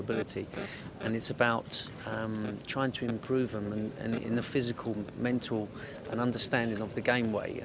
dan ini tentang mencoba untuk memperbaikinya dalam pengetahuan fisik mental dan pemahaman cara permainan